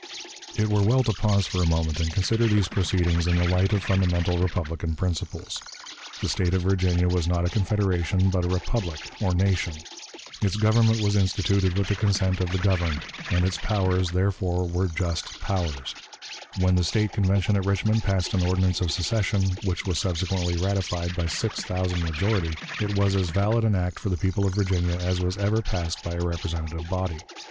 It were well to pause for a moment and consider these proceedings in the light of fundamental republican principles. The State of Virginia was not a confederation, but a republic, or nation. Its government was instituted with the consent of the governed, and its powers, therefore, were "just powers." When the State Convention at Richmond passed an ordinance of secession, which was subsequently ratified by sixty thousand majority, it was as valid an act for the people of Virginia as was ever passed by a representative body.